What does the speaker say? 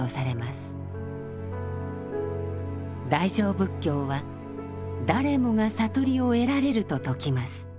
大乗仏教は「誰もが悟りを得られる」と説きます。